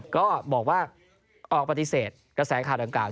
ก็บอกว่าออกปฏิเสธกระแสข่าวดังกล่า